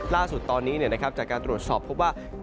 ล่าสุดตอนนี้จากการตรวจสอบพบว่า